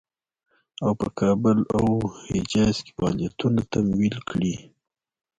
او په کابل او حجاز کې فعالیتونه تمویل کړي.